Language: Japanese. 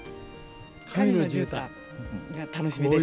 神のじゅうたんが楽しみです。